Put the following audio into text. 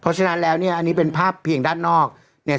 เพราะฉะนั้นแล้วเนี่ยอันนี้เป็นภาพเพียงด้านนอกเนี่ย